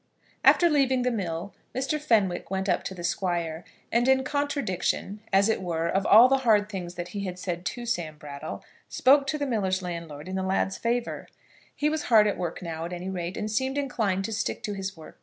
After leaving the mill Mr. Fenwick went up to the Squire, and, in contradiction, as it were, of all the hard things that he had said to Sam Brattle, spoke to the miller's landlord in the lad's favour. He was hard at work now, at any rate; and seemed inclined to stick to his work.